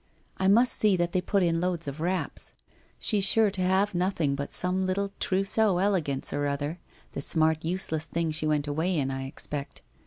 I must see that they put in loads of wraps. She's sure to have nothing but some little trous seau elegance or other, the smart useless thing she went away in, I expect.